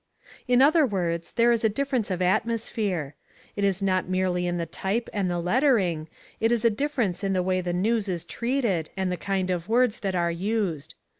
In other words, there is a difference of atmosphere. It is not merely in the type and the lettering, it is a difference in the way the news is treated and the kind of words that are used.